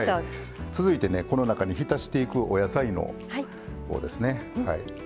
続いてねこの中にひたしていくお野菜のほうですね。